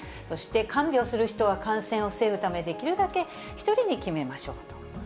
そして、看病する人は感染を防ぐため、できるだけ１人に決めましょうと。